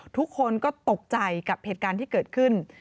ทุกคนก็ตกใจกับเหตุการณ์ที่เกิดขึ้น